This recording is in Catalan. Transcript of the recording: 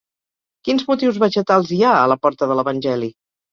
Quins motius vegetals hi ha a la porta de l'evangeli?